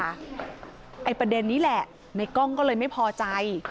ไอ้ประเด็นนี้แหละในกล้องก็เลยไม่พอใจ